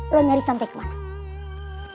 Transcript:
lo nyari sampe kemana